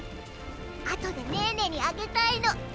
あとでねーねにあげたいの。